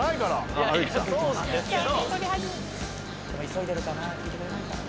急いでるかな聞いてくれないか。